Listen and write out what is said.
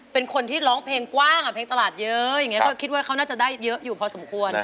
เป็นคนที่ร้องเพลงกว้างเพลงตลาดเยอะอย่างนี้ก็คิดว่าเขาน่าจะได้เยอะอยู่พอสมควร